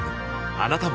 あなたも